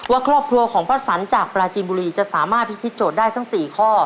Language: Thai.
ว่าครอบครัวของพระสันจากปราจีนบุรีจะสามารถพิธีโจทย์ได้ทั้ง๔ข้อ